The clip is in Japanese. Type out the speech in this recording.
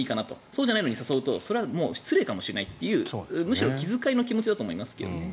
そうじゃないと失礼かもしれないというむしろ気遣いの気持ちだと思いますけどね。